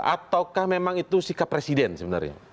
ataukah memang itu sikap presiden sebenarnya